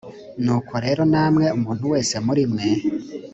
nuko rero namwe umuntu wese muri mwe